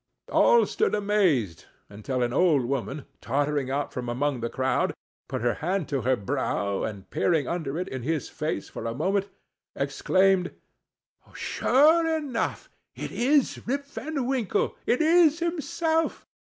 All stood amazed, until an old woman, tottering out from among the crowd, put her hand to her brow, and peering under it in his face for a moment, exclaimed, "Sure enough! it is Rip Van Winkle—it is himself!